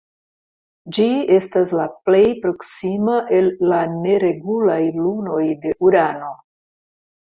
Ĝi estas la plej proksima el la neregulaj lunoj de Urano.